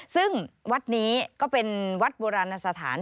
ซึ่งวัดนี้ก็เป็นวัดโบราณสถาน